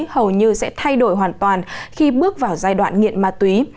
hầu như sẽ thay đổi hoàn toàn khi bước vào giai đoạn nghiện ma túy